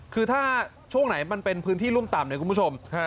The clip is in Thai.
คือถ้าช่วงไหนมันเป็นพื้นที่รุ่มต่ำเนี่ยคุณผู้ชม